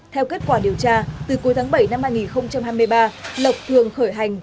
theo kết quả điều tra từ cuối tháng bảy năm hai nghìn hai mươi ba lộc thường khởi hành